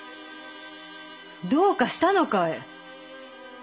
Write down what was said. どうかしたのかえ？